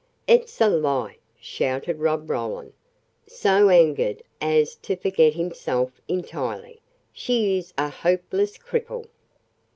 "It's a lie!" shouted Rob Roland, so angered as to forget himself entirely. "She is a hopeless cripple."